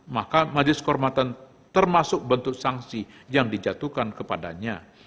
maka majelis kehormatan termasuk bentuk sanksi yang dijatuhkan kepadanya